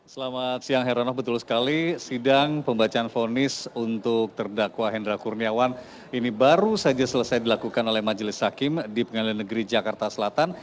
selamat siang herono betul sekali sidang pembacaan fonis untuk terdakwa hendra kurniawan ini baru saja selesai dilakukan oleh majelis hakim di pengadilan negeri jakarta selatan